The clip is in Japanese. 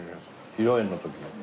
披露宴の時の。